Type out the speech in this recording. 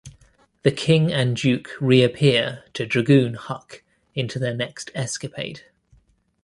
The King and Duke reappear to dragoon Huck into their next escapade.